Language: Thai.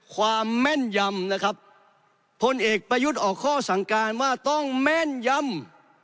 แม่นยำนะครับพลเอกประยุทธ์ออกข้อสั่งการว่าต้องแม่นยำ